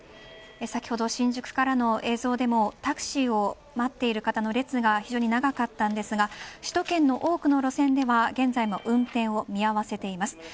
先ほど新宿からの映像でもタクシーを待っている方の列が非常に長かったんですが首都圏の多くの路線では現在でも運転を見合わせています。